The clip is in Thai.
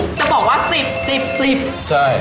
จะบอกว่าสิบสิบสิบใช่